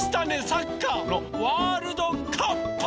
サッカーのワールドカップ！